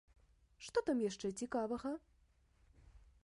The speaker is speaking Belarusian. Што там яшчэ цікавага?